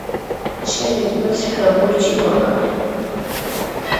ჩემი კლასი ფეხბურთში მაგარი